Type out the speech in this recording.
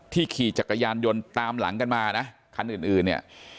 ขี่จักรยานยนต์ตามหลังกันมานะคันอื่นเนี่ย